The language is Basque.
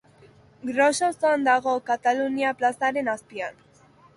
Gros auzoan dago, Katalunia plazaren azpian.